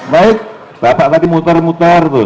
baik bapak tadi muter muter tuh